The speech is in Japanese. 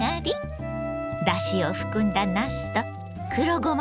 だしを含んだなすと黒ごま